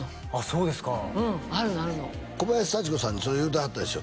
そうですかうんあるのあるの小林幸子さんにそれ言うてはったでしょ？